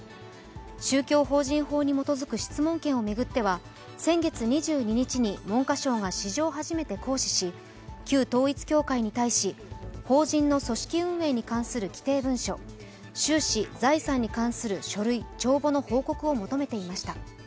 宗教法人法に基づく質問権を巡っては、先月２２日に文科省が史上初めて行使し旧統一教会に対し法人の組織運営に関する規定文書収支・財産に関する書類・帳簿の報告を求めていました。